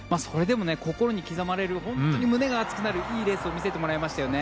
それでも心に刻まれる本当に胸が熱くなるいいレースを見せてもらいました。